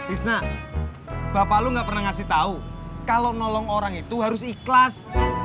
isna bapak lu gak pernah ngasih tahu kalau nolong orang itu harus ikhlas